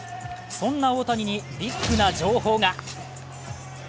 そんな大谷にビッグな情報が。